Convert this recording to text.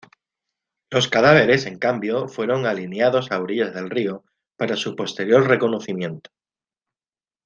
Los cadáveres, en cambio, fueron alineados a orillas del río para su posterior reconocimiento.